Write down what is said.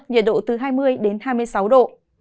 nhiệt độ từ hai mươi đến hai mươi sáu độ